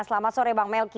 selamat sore bang melki